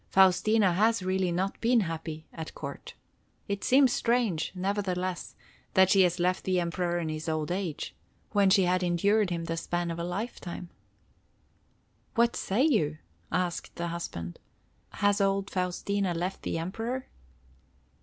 "Faustina has really not been happy at court. It seems strange, nevertheless, that she has left the Emperor in his old age, when she had endured him the span of a lifetime." "What say you?" asked the husband. "Has old Faustina left the Emperor?"